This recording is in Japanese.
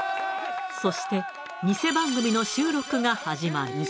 そしてニセ番組の収録が始まる。